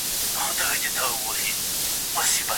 دستي مي کار خلاص کړ.